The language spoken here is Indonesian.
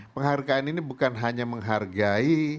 penghargaan ini bukan hanya menghargai